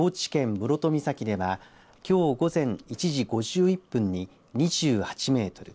室戸岬ではきょう午前１時５１分に２８メートル。